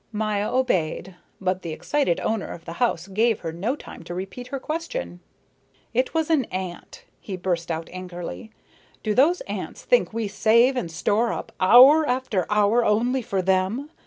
Maya obeyed, but the excited owner of the house gave her no time to repeat her question. "It was an ant," he burst out angrily. "Do those ants think we save and store up hour after hour only for them!